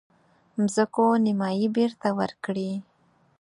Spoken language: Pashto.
مځکو نیمايي بیرته ورکړي.